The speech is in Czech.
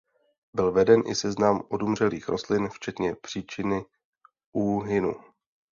Byl veden i seznam odumřelých rostlin včetně příčiny úhynu.